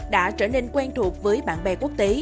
đã trở nên quen thuộc với bạn bè quốc tế